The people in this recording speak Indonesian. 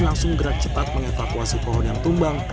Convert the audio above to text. langsung gerak cepat mengevakuasi pohon yang tumbang